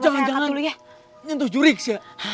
nyentuh jurik sih